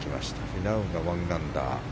フィナウが１アンダー。